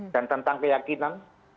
dan tentang keyakinan